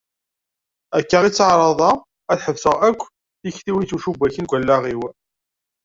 Akka i tteɛraḍeɣ ad sḥebseɣ akk tiktiwin i yettemcubbaken deg wallaɣ-iw.